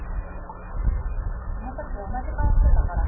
あの時同じ顔してたから。